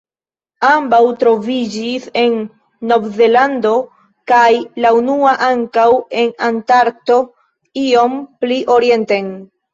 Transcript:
Ambaŭ troviĝis en Novzelando, kaj la unua ankaŭ en Antarkto iom pli orienten.